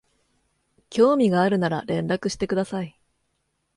興味があるなら連絡してください